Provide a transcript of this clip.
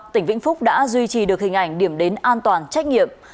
tỉnh vĩnh phúc đã duy trì được hình ảnh điểm đến an toàn trách nhiệm